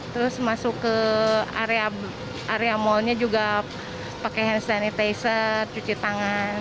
terus masuk ke area mallnya juga pakai hand sanitizer cuci tangan